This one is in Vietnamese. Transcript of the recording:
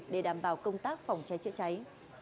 để đảm bảo công tác phòng cháy chữa cháy